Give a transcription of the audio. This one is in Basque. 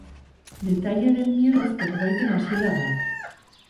Detalle del miedo zerbaiten hasiera da.